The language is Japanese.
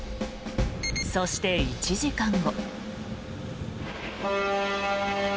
そして、１時間後。